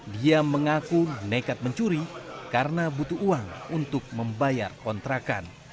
dia mengaku nekat mencuri karena butuh uang untuk membayar kontrakan